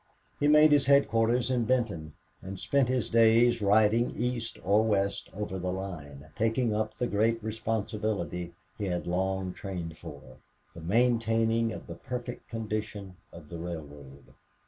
He made his headquarters in Benton and spent his days riding east or west over the line, taking up the great responsibility he had long trained for the maintaining of the perfect condition of the railroad.